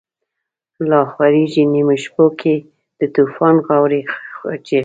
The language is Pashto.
لاخوریږی نیمو شپو کی، دتوفان غاوری چیغی